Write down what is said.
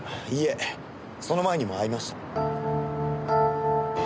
その前にも会いました。